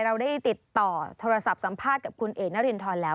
เราได้ติดต่อโทรศัพท์สัมภาษณ์กับคุณเอกนรินทรแล้ว